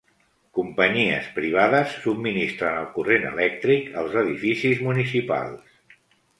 Companyies privades subministren el corrent elèctric als edificis municipals